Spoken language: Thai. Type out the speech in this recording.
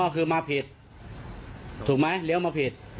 คือมาผิดถูกไหมเลี้ยวมาผิด